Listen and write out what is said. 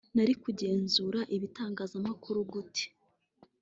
nari kugenzura ibitangazamakuru gute